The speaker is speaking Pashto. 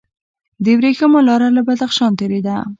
د ورېښمو لاره له بدخشان تیریده